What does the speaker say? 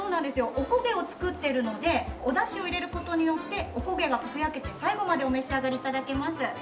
お焦げを作っているのでお出汁を入れる事によってお焦げがふやけて最後までお召し上がり頂けます。